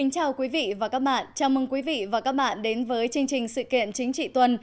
chào mừng quý vị và các bạn đến với chương trình sự kiện chính trị tuần